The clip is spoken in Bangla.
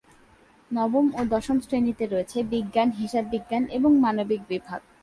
নবম ও দশম শ্রেণীতে রয়েছে বিজ্ঞান, হিসাব বিজ্ঞান এবং মানবিক বিভাগ।